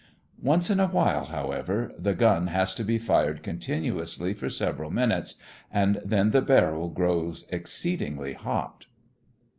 Once in a while, however, the gun has to be fired continuously for several minutes, and then the barrel grows exceedingly hot.